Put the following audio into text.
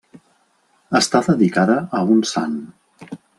Està dedicada a un sant.